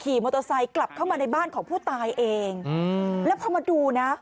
มอเตอร์ไซค์กลับเข้ามาในบ้านของผู้ตายเองอืมแล้วพอมาดูนะ